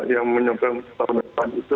yang menyebabkan tahun depan itu